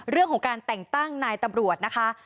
เรื่องของการแต่งตั้งนายตำรวจนะคะ